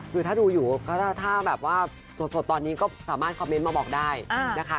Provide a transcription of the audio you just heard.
คือถ้าดูอยู่ก็ถ้าแบบว่าสดตอนนี้ก็สามารถคอมเมนต์มาบอกได้นะคะ